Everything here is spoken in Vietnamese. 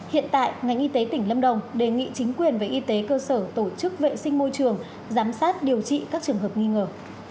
hiện tại ngành y tế tỉnh lâm đồng đề nghị chính quyền và y tế cơ sở tổ chức vệ sinh môi trường giám sát điều trị các trường hợp nghi ngờ